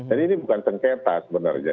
jadi ini bukan sengketa sebenarnya